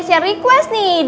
kamu bener bener nggak denger